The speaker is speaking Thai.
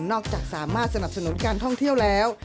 จากสามารถสนับสนุนการท่องเที่ยวแล้ว